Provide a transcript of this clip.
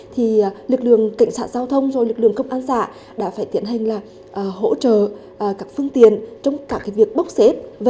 thì lực lượng cảnh sát giao thông rồi lực lượng công an xã đã phải tiến hành là hỗ trợ các phương tiện trong cả việc bốc xếp